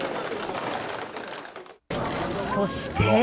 そして。